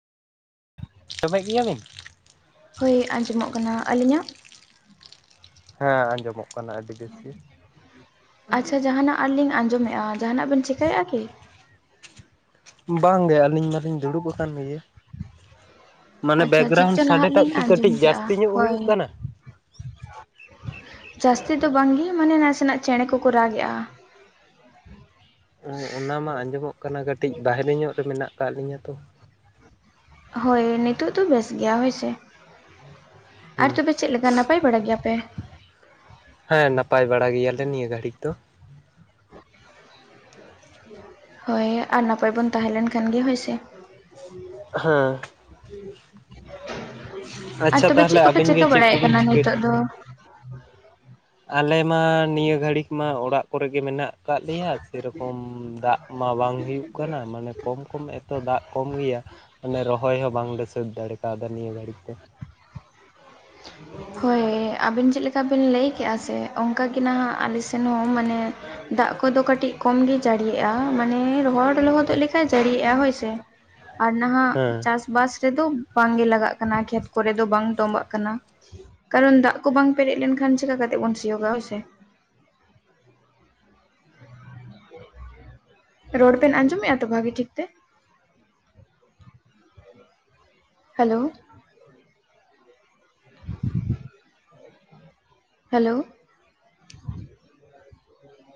ᱟᱡᱚᱢᱮᱫ ᱜᱮᱭᱟᱵᱤᱱ ᱦᱳᱭ ᱟᱸᱡᱚᱢᱚᱜ ᱠᱟᱱᱟ ᱟᱹᱞᱤᱧᱟᱜ᱾ ᱦᱮᱸ ᱟᱸᱡᱚᱢᱚᱜ ᱠᱟᱱᱟ ᱟᱹᱰᱤ ᱵᱮᱥ ᱜᱮ᱿ ᱟᱪᱪᱷᱟ ᱡᱟᱦᱟᱸᱟᱱᱟᱜ ᱟᱨ ᱞᱤᱧ ᱟᱸᱡᱚᱢᱮᱫᱼᱟ, ᱡᱟᱦᱟᱱᱟᱜ ᱵᱮᱱ ᱪᱤᱠᱟᱹᱭᱮᱫᱼᱟ ᱠᱤ? ᱵᱟᱝᱜᱮ ᱟᱹᱞᱤᱧ ᱢᱟᱞᱤᱧ ᱫᱩᱲᱩᱵ ᱟᱠᱟᱱ ᱜᱮᱭᱟ᱾ ᱢᱟᱱᱮ ᱟᱪᱪᱷᱟ ᱪᱮᱫ ᱪᱚ ᱵᱮᱠᱜᱨᱟᱣᱩᱱᱰ ᱱᱟᱦᱟᱜ ᱥᱟᱰᱮᱴᱟᱜ ᱞᱤᱧ ᱠᱤ ᱠᱟᱹᱴᱤᱡ ᱟᱸᱡᱚᱢ ᱠᱮᱜᱼᱟ ᱡᱟᱹᱥᱛᱤ ᱧᱚᱜ ᱦᱳᱭ ᱦᱩᱭᱩᱜ ᱠᱟᱱᱟ᱾ ᱡᱟᱹᱥᱛᱤ ᱫᱚ ᱵᱟᱝᱜᱮ ᱢᱟᱱᱮ ᱱᱟᱥᱮᱱᱟᱜ ᱪᱮᱬᱮ ᱠᱚᱠᱚ ᱨᱟᱜ ᱮᱜᱼᱟ᱾ ᱚᱱᱟ ᱢᱟ ᱟᱸᱡᱚᱢᱚᱜ ᱠᱟᱱᱟ ᱠᱟᱹᱴᱤᱡ ᱵᱟᱦᱨᱮ ᱧᱚᱜ ᱨᱮ ᱢᱮᱱᱟᱜ ᱟᱠᱟᱫ ᱞᱤᱧᱟᱹ ᱛᱚ᱾ ᱦᱳᱭ ᱱᱤᱛᱳᱜ ᱫᱚ ᱵᱮᱥ ᱜᱮᱭᱟ ᱦᱳᱭ ᱥᱮ᱾ ᱟᱨ ᱦᱩᱸ ᱛᱚᱵᱮ ᱪᱮᱫᱞᱮᱠᱟ ᱱᱟᱯᱟᱭ ᱵᱟᱲᱟ ᱜᱮᱭᱟᱯᱮ? ᱦᱮᱸ ᱱᱟᱯᱟᱭ ᱵᱟᱲᱟ ᱜᱮᱭᱟᱞᱮ ᱱᱤᱭᱟᱹ ᱜᱷᱟᱹᱲᱤᱡ ᱫᱚ᱾ ᱦᱳᱭ ᱟᱨ ᱱᱟᱯᱟᱭ ᱵᱚᱱ ᱛᱟᱦᱮᱸ ᱞᱮᱱ ᱠᱷᱟᱱ ᱜᱮ ᱦᱳᱭ ᱥᱮ᱾ ᱦᱮᱸ ᱟᱨ ᱟᱪᱪᱷᱟ ᱛᱚᱵᱮ ᱛᱟᱦᱚᱞᱮ ᱪᱮᱫ ᱠᱚᱯᱮ ᱟᱹᱵᱤᱱ ᱜᱮ ᱪᱤᱠᱟᱹ ᱪᱮᱫ ᱵᱟᱲᱟᱭᱮᱫ ᱠᱚᱵᱤᱱ ᱠᱟᱱᱟ ᱪᱤᱠᱟᱹ ᱱᱤᱛᱳᱜ ᱫᱚ? ᱟᱞᱮ ᱢᱟ ᱱᱤᱭᱟᱹ ᱜᱷᱟᱹᱲᱤᱡ ᱢᱟ ᱚᱲᱟᱜ ᱠᱚᱨᱮᱜᱮ ᱢᱮᱱᱟᱜ ᱠᱟᱫ ᱞᱮᱭᱟ ᱥᱮᱨᱚᱠᱚᱢ ᱫᱟᱜ ᱢᱟ ᱵᱟᱝ ᱦᱩᱭᱩᱜ ᱠᱟᱱᱟ ᱢᱟᱱᱮ ᱠᱚᱢ ᱠᱚᱢ ᱮᱛᱚ ᱫᱟᱜ ᱠᱚᱢ ᱜᱮᱭᱟ ᱢᱟᱱᱮ ᱨᱚᱦᱚᱭ ᱦᱚᱸ ᱵᱟᱝᱞᱮ ᱥᱟᱹᱛ ᱫᱟᱲᱮ ᱠᱟᱣᱫᱟ ᱱᱤᱭᱟᱹ ᱜᱷᱟᱹᱲᱤᱡ ᱫᱚ᱾ [inaudible] ᱦᱳᱭ ᱟᱵᱤᱱ ᱪᱮᱫ ᱞᱮᱠᱟ ᱵᱤᱱ ᱞᱟᱹᱭ ᱠᱮᱫᱼᱟ ᱥᱮ ᱚᱱᱠᱟᱟᱜᱮ ᱱᱟᱦᱟᱜ ᱟᱞᱮ ᱥᱮᱱ ᱦᱚᱸ ᱢᱟᱱᱮ ᱫᱟᱜ ᱠᱚᱫᱚ ᱠᱟᱹᱴᱤᱡ ᱠᱚᱢ ᱜᱮ ᱡᱟᱹᱲᱤᱭᱟᱜᱼᱟ ᱢᱟᱱᱮ ᱨᱚᱦᱚᱲ ᱞᱚᱦᱚᱫᱚᱜ ᱞᱮᱠᱟᱱ ᱡᱟᱹᱲᱤᱭᱮᱜᱼᱟ ᱦᱳᱭ ᱥᱮ ᱟᱨ ᱱᱟᱦᱟᱜ ᱦᱮᱸ᱾ ᱪᱟᱥ ᱵᱟᱥ ᱨᱮᱫᱚ ᱵᱟᱝ ᱜᱮ ᱞᱟᱜᱟᱜ ᱠᱟᱱᱟ ᱠᱷᱮᱛ ᱠᱚᱨᱮᱫ ᱫᱚ ᱵᱟᱝ ᱛᱚᱵᱟᱜ ᱾ ᱠᱟᱱᱟ ᱠᱟᱨᱚᱱ ᱫᱟᱜ ᱠᱚ ᱵᱟᱝ ᱯᱮᱨᱮᱡ ᱞᱮᱱᱠᱷᱟᱱ ᱪᱮᱠᱟ ᱠᱟᱛᱮ ᱵᱚᱱ ᱥᱤᱭᱳᱜᱟ ᱦᱳᱭᱥᱮ᱾ ᱨᱚᱲ ᱵᱮᱱ ᱟᱸᱡᱚᱢᱮᱫᱼᱟ ᱛᱚ ᱵᱷᱟᱜᱮ ᱴᱷᱤᱠ ᱛᱮ᱾ Hello [inaudible] hello